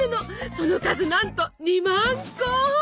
その数なんと２万個！